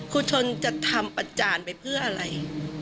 ครูชนจะทำประจานไปเพื่ออะไร